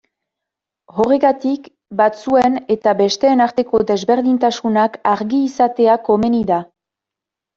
Horregatik, batzuen eta besteen arteko desberdintasunak argi izatea komeni da.